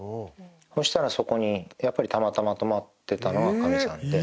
そしたらそこにやっぱりたまたま泊まってたのがかみさんで。